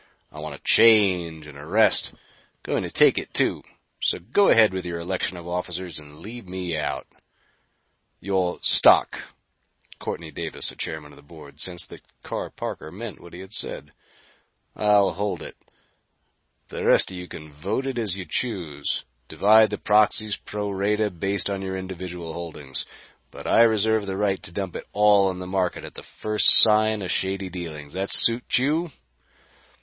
I want a change and a rest. Going to take it, too. So, go ahead with your election of officers and leave me out." "Your stock?" Courtney Davis, chairman of the board, sensed that Carr Parker meant what he said. "I'll hold it. The rest of you can vote it as you choose: divide the proxies pro rata, based on your individual holdings. But I reserve the right to dump it all on the market at the first sign of shady dealings. That suit you?"